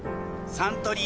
サントリー